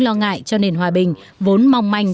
lo ngại cho nền hòa bình vốn mong manh